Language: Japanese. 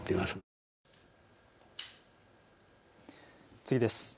次です。